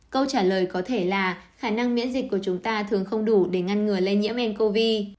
câu trả lời có thể là khả năng miễn dịch của chúng ta thường không đủ để ngăn ngừa lây nhiễm ncov